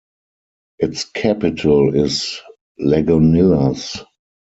Its capital is Lagunillas.